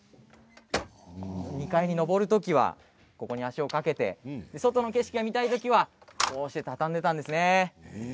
２階に上るときはここに足をかけて外の景色が見たいときはこうして畳んでいたんですね。